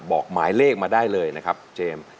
บอกหมายเลขมาได้เลยนะครับเจมส์